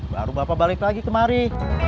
baru bapak balik lagi kemari